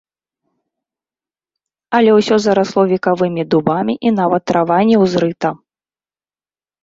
Але ўсё зарасло векавымі дубамі і нават трава не ўзрыта.